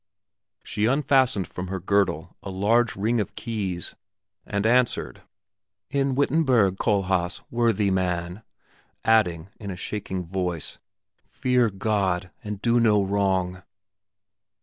She unfastened from her girdle a large ring of keys, and answered, "In Wittenberg, Kohlhaas, worthy man!" adding, in a shaking voice, "Fear God, and do no wrong!"